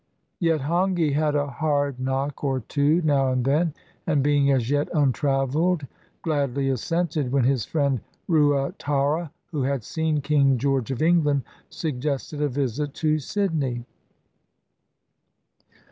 Yet Hongi had a hard knock or two now and then, and, being as yet untraveled, gladly assented when his friend Ruatara — who had seen King George of England — suggested a visit to Sydney.